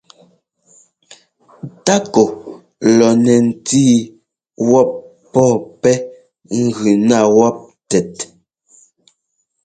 Tákɔ lɔ nɛ ńtí wɔ́p pɔ́ɔ pɛ́ gʉ ná wɔ́p tɛt.